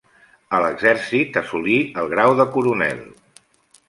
En l'exèrcit assolí el grau de coronel.